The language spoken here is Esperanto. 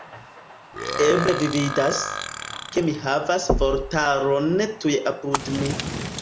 Eble vi vidas, ke mi havas vortaron tuje apud mi.